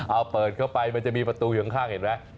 เอาเปิดเข้าไปมันจะมีประตูอยู่ข้างเห็นไหม